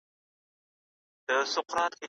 چرګ چي ځوان سي پر بام ورو ورو ځي.